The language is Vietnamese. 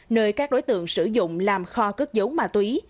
nơi các đối tượng sử dụng làm kho cất dấu ma túy